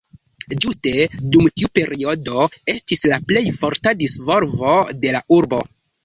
Ĝuste dum tiu periodo estis la plej forta disvolvo de la urbo.